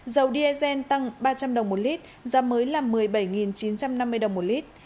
dầu diesel tăng ba trăm linh đồng một lít giá mới là một mươi bảy chín trăm năm mươi đồng một lít